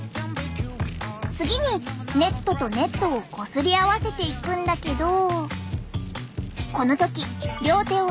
次にネットとネットをこすり合わせていくんだけど。